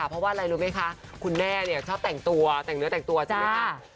เพราะว่าอะไรรู้ไหมคะคุณแม่เนี่ยชอบแต่งตัวแต่งเนื้อแต่งตัวใช่ไหมคะ